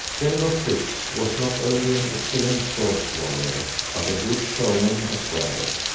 Delno Fritz was not only an excellent sword swallower, but a good showman as well.